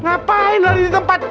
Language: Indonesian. ngapain lari di tempat